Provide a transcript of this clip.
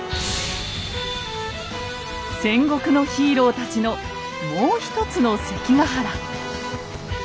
戦国のヒーローたちのもう一つの関ヶ原。